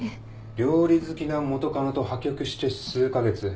料理好きな元カノと破局して数カ月。